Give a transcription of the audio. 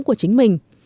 của chính mình